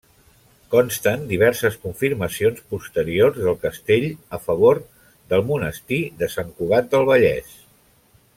Consten diverses confirmacions posteriors del castell, a favor del monestir de Sant Cugat del Vallès.